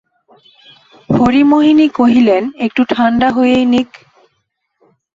হরিমোহিনী কহিলেন, একটু ঠাণ্ডা হয়েই নিক।